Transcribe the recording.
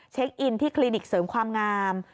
อินที่คลินิกเสริมความงาม